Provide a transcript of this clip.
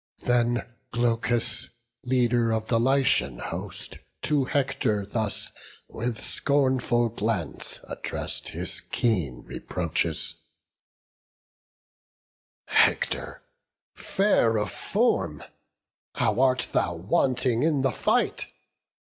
Then Glaucus, leader of the Lycian host, To Hector thus, with scornful glance, address'd His keen reproaches: "Hector, fair of form, How art thou wanting in the fight!